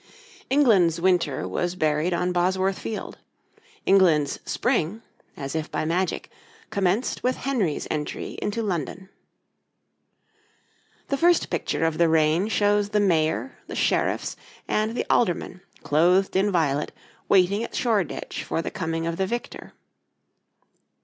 England's winter was buried on Bosworth Field: England's spring, as if by magic, commenced with Henry's entry into London. The first picture of the reign shows the mayor, the sheriffs, and the aldermen, clothed in violet, waiting at Shoreditch for the coming of the victor.